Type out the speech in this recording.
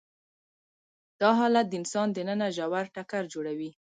دا حالت د انسان دننه ژور ټکر جوړوي.